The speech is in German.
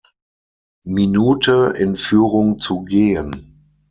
Minute in Führung zu gehen.